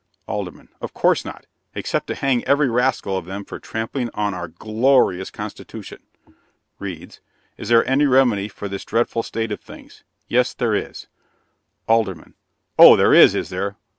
'" ALDERMAN. "Of course not, except to hang every rascal of them for trampling on our g l orious Constitution." Reads: "'Is there any remedy for this dreadful state of things? Yes, there is.'" ALDERMAN. "Oh, there is, is there?